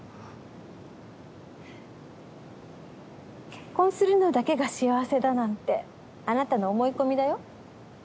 結婚するのだけが幸せだなんてあなたの思い込みだよ。